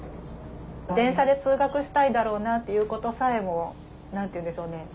電車で通学したいだろうなっていうことさえも何て言うんでしょうね